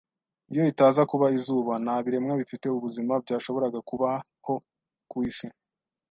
Iyo itaza kuba izuba, nta biremwa bifite ubuzima byashoboraga kubaho ku isi.